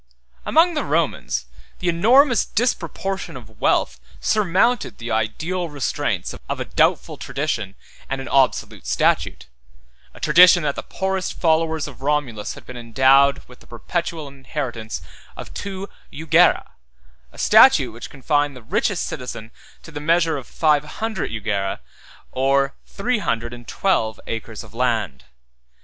Among the Romans, the enormous disproportion of wealth surmounted the ideal restraints of a doubtful tradition, and an obsolete statute; a tradition that the poorest follower of Romulus had been endowed with the perpetual inheritance of two jugera; 138 a statute which confined the richest citizen to the measure of five hundred jugera, or three hundred and twelve acres of land.